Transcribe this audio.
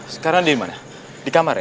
sekarang dimana di kamar ya